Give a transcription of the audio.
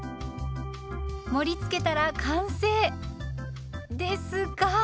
盛りつけたら完成ですが。